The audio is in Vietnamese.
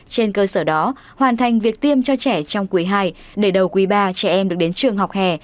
trên cơ sở đó hoàn thành việc tiêm cho trẻ trong quý ii để đầu quý ba trẻ em được đến trường học hè